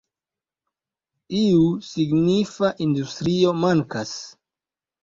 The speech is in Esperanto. Iu signifa industrio mankas.